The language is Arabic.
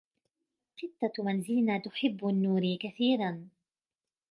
قطة منزلنا تحب النوري كثيرًا.